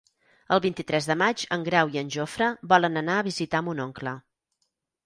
El vint-i-tres de maig en Grau i en Jofre volen anar a visitar mon oncle.